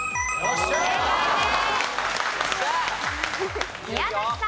正解です。